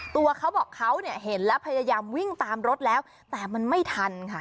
ตัวเขาบอกเขาเนี่ยเห็นแล้วพยายามวิ่งตามรถแล้วแต่มันไม่ทันค่ะ